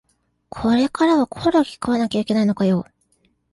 これからはコオロギ食わなきゃいけないのかよ